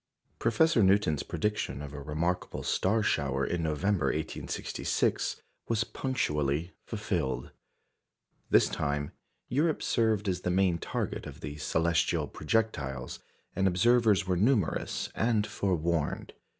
Professor Newton's prediction of a remarkable star shower in November, 1866, was punctually fulfilled. This time, Europe served as the main target of the celestial projectiles, and observers were numerous and forewarned.